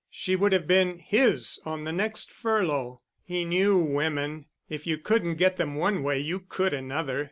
She would have been his on the next furlough. He knew women. If you couldn't get them one way you could another.